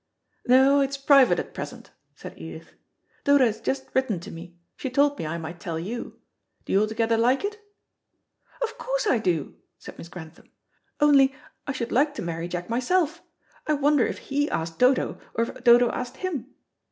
"No, it's private at present," said Edith. "Dodo has just written to me; she told me I might tell you. Do you altogether like it?" "Of course I do," said Miss Grantham. "Only I should like to marry Jack myself. I wonder if he asked Dodo, or if Dodo asked him."